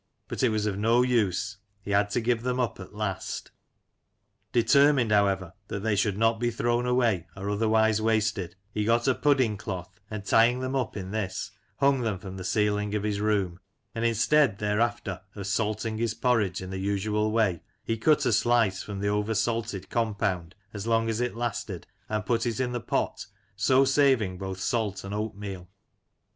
but it was of no use, he had to give them up at last Determined, however, that they should not be thrown away or otherwise wasted, he got a pudding Some Lancashire Characters and Incidents, 145 cloth, and tying them up in this, hung them from the ceiling of bis room, and instead, thereafter, of salting his porridge in the usual way, he cut a slice from the over salted com pound as long as it lasted and put it in the pot, so saving both salt and oatmeal.